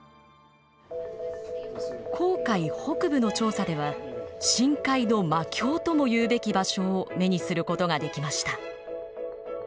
紅海北部の調査では深海の魔境ともいうべき場所を目にすることができました。